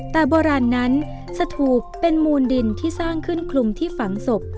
แต่โบราณนั้นสถูปเป็นมูลดินที่สร้างขึ้นคลุมที่ฝังศพ